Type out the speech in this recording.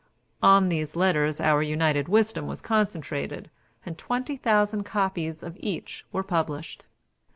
On these letters our united wisdom was concentrated, and twenty thousand copies of each were published.